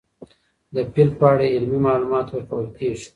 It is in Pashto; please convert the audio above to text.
د فیل په اړه علمي معلومات ورکول کېږي.